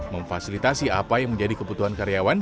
memfasilitasi apa yang menjadi kebutuhan karyawan